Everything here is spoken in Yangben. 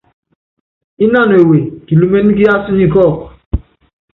Ínánɔ ewe kilúméne kiású nyi kɔ́ɔ́kɔ.